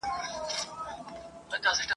هيڅ ماشوم بايد له زده کړو محروم نه سي.